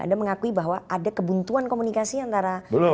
anda mengakui bahwa ada kebuntuan komunikasi antara anda berdua